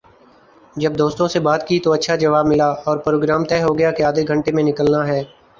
جب دوستوں سے بات کی تو اچھا جواب ملا اور پروگرام طے ہو گیا کہ آدھےگھنٹے میں نکلنا ہے ۔